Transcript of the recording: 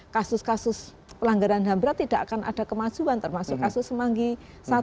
kasus kasus pelanggaran ham berarti tidak akan ada kemajuan termasuk kasus semanggi satu semanggi dua trisakti